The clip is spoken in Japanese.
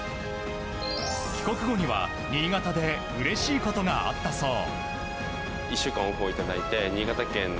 帰国後には新潟でうれしいことがあったそう。